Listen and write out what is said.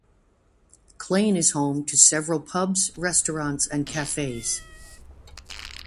Clane is home to several pubs, restaurants and cafes.